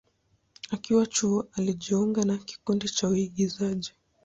Akiwa chuo, alijiunga na kikundi cha uigizaji.